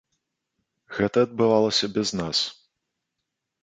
Гэта адбывалася без нас.